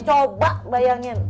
tau mbah bayangin